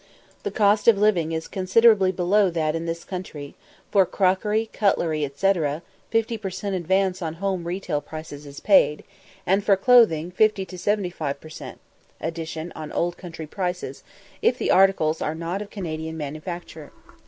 The cost of living is considerably below that in this country; for crockery, cutlery, &c., 50 per cent. advance on home retail prices is paid, and for clothing 50 to 75 per cent. addition on old country prices, if the articles are not of Canadian manufacture.